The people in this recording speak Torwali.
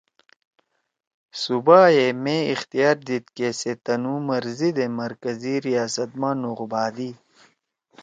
صوبائے مے اختیار دیِد کہ سے تنُو مرضی دے مرکزی ریاست ما نُوخ بھادی